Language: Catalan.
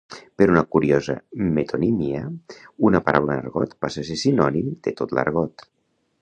Per una curiosa metonímia, una paraula en argot passa a ser sinònim de tot l'argot.